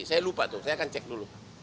saya lupa tuh saya akan cek dulu